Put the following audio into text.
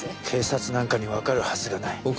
警察なんかにわかるはずがない。